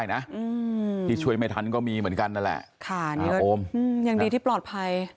เราคิดอยู่พักเนี่ย